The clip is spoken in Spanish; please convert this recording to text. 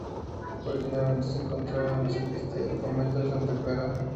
Originalmente se encontraba en la sacristía del convento de Santa Clara.